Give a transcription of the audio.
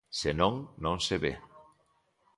Se non non se ve.